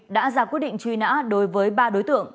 đã ra quyết định truy nã đối với ba đối tượng